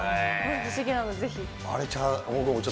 不思議なのでぜひ。